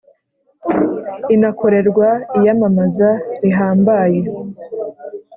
inakorerwa iyamamaza rihambaye